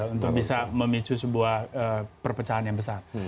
untuk bisa memicu sebuah perpecahan yang besar